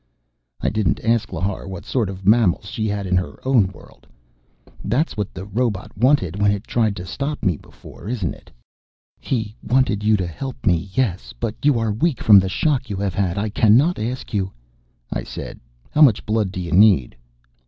I didn't ask Lhar what sort of mammals she had in her own world. "That's what the robot wanted when it tried to stop me before, isn't it?" "He wanted you to help me, yes. But you are weak from the shock you have had. I cannot ask you " I said, "How much blood do you need?"